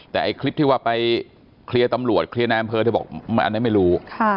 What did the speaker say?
แต่ไอ้คลิปที่ว่าไปเคลียร์ตำรวจเคลียร์ในอำเภอเธอบอกอันนั้นไม่รู้